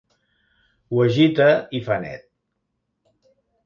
Ho agita i fa net.